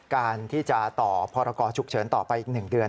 การที่จะต่อพรกรฉุกเฉินต่อไปอีก๑เดือน